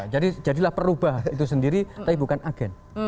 jadi jadilah perubahan itu sendiri tapi bukan agen